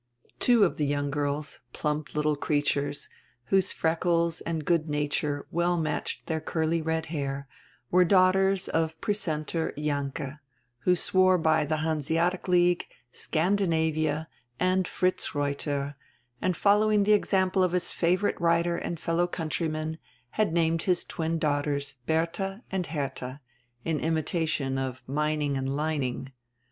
Two of the young girls, plump little creatures, whose freckles and good nature well matched dieir curly red hair, were daughters of Precentor Jalinke, who swore hy die Hanseatic League, Scandinavia, and Fritz Reuter, and fol lowing die example of his favorite writer and fellow country man, had named his twin daughters Berdia and Herdia, in imitation of Mining and Lining.